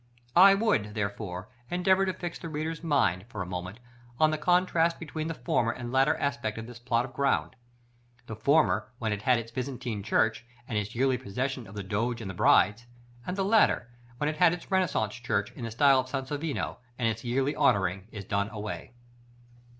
I would, therefore, endeavor to fix the reader's mind, for a moment, on the contrast between the former and latter aspect of this plot of ground; the former, when it had its Byzantine church, and its yearly procession of the Doge and the Brides; and the latter, when it has its Renaissance church "in the style of Sansovino," and its yearly honoring is done away.